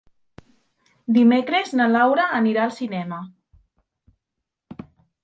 Dimecres na Laura anirà al cinema.